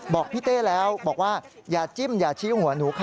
บอกพี่เต้แล้วบอกว่าอย่าจิ้มอย่าชี้หัวหนูค่ะ